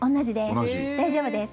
大丈夫です。